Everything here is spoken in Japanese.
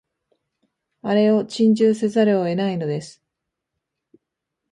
あれを珍重せざるを得ないのです